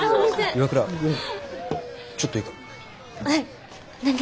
岩倉ちょっといいか？